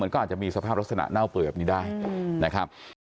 ก็อาจจะมีสภาพลักษณะเน่าเปื่อยแบบนี้ได้นะครับ